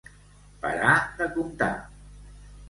Parar de comptar.